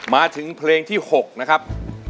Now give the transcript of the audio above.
มาถึงเพลงที่๖นะครับ